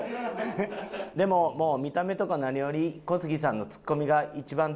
「でももう見た目とか何より小杉さんのツッコミが一番大好きです」。